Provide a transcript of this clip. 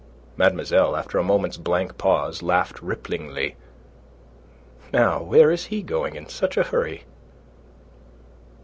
Mademoiselle, after a moment's blank pause, laughed ripplingly. "Now where is he going in such a hurry?"